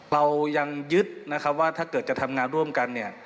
เรายังยึดว่าถ้าเกิดจะทำงานร่วมกัน